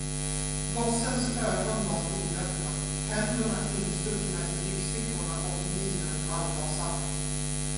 Gossens ögon var vidöppna, händerna instuckna i byxfickorna och minen allvarsam.